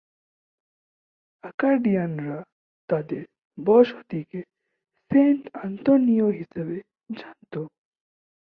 আকাডিয়ানরা তাদের বসতিকে সেন্ট আন্তোনিয় হিসেবে জানত।